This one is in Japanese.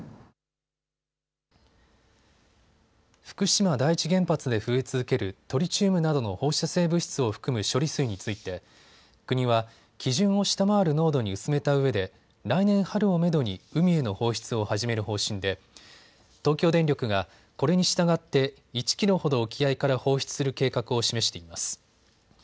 福島第一原発で増え続けるトリチウムなどの放射性物質を含む処理水について国は基準を下回る濃度に薄めたうえで来年春をめどに海への放出を始める方針で東京電力が、これに従って１キロほど沖合から放出する計画を示しています。